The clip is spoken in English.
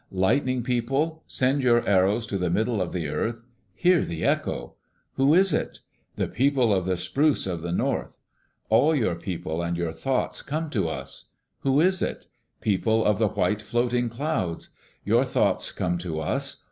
Lightning People, send your arrows to the middle of the earth. Hear the echo! Who is it? The People of the Spruce of the North. All your people and your thoughts come to us. Who is it? People of the white floating Clouds. Your thoughts come to us.